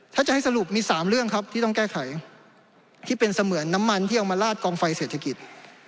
ถ้าจะให้สรุปมี๓เรื่องครับที่ต้องแก้ไขที่เป็นเสมือนน้ำมันที่เอามาลาดกองไฟเศรษฐกิจ